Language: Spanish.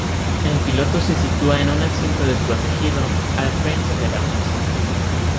El piloto se sitúa en un asiento desprotegido, al frente del armazón.